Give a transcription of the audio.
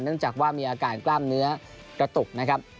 จากว่ามีอาการกล้ามเนื้อกระตุกนะครับ